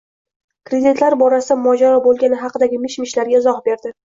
kreditlar borasida mojaro bo'lgani haqidagi mish -mishlarga izoh berdi